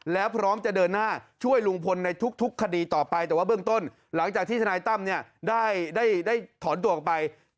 แล้วพร้อมจะเดินหน้าช่วยลุงพลในทุกคดีต่อไปแต่ว่าเบื้องต้นหลังจากที่ทนายตั้มเนี่ยได้ถอนตัวออกไป